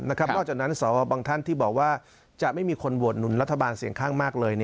นอกจากนั้นสอฟร์มาหลากเสียงค้างทีจะไม่มีคนโหวตหนุนรัฐบาล